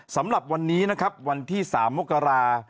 สำหรับวันนี้นะครับวันที่๓มกรา